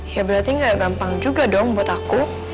ya berarti nggak gampang juga dong buat aku